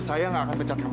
saya enggak akan pecat kamu